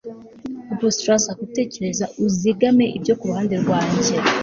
abstruser gutekereza uzigame ibyo kuruhande rwanjye